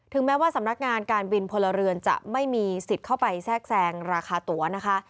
แม้ว่าสำนักงานการบินพลเรือนจะไม่มีสิทธิ์เข้าไปแทรกแซงราคาตัวนะคะ